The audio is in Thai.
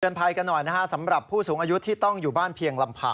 ภัยกันหน่อยนะฮะสำหรับผู้สูงอายุที่ต้องอยู่บ้านเพียงลำพัง